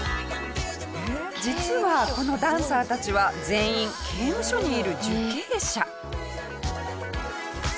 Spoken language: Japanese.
実はこのダンサーたちは全員刑務所にいる受刑者。